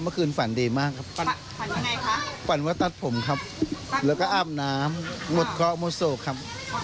หมดเคราะห์หมดโศกตัดผมทรงไหนคะ